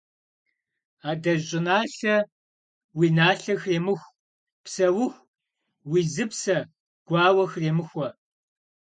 Адэжь щӀыналъэ, уи налъэ хремыху, Псэуху уи зыпсэ гуауэ хремыхуэ.